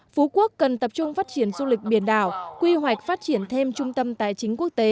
phú quốc cần tập trung phát triển du lịch biển đảo quy hoạch phát triển thêm trung tâm tài chính quốc tế